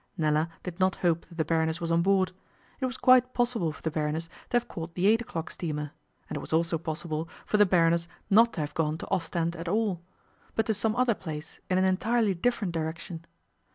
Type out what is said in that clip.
Nella did not hope that the Baroness was on board; it was quite possible for the Baroness to have caught the eight o'clock steamer, and it was also possible for the Baroness not to have gone to Ostend at all, but to some other place in an entirely different direction.